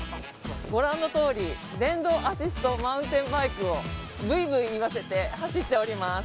ご覧のとおり電動アシストマウンテンバイクをブイブイいわせて走っております。